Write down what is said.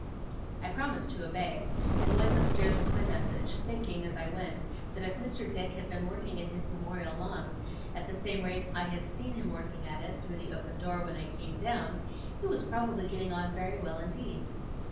I promised to obey, and went upstairs with my message; thinking, as I went, that if Mr. Dick had been working at his Memorial long, at the same rate as I had seen him working at it, through the open door, when I came down, he was probably getting on very well indeed.